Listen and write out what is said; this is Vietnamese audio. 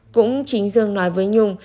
cũng chính dương nói với nhung